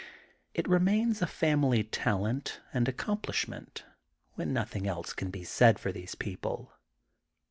It remains a family talent and accom plishmenty when nothing else can be said for these people.